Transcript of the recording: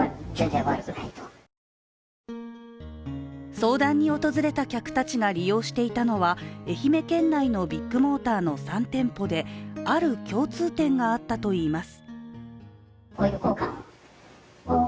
相談に訪れた客たちが利用していたのは愛媛県内のビッグモーターの３店舗である共通点があったといいます。